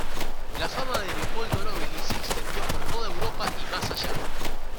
La fama de Leopoldo Nobili se extendió por toda Europa y más allá.